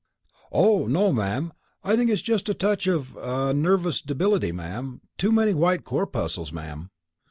"Oh, no, ma'am, I think it's just a touch of of nervous debility, ma'am too many white corpuscles, ma'am."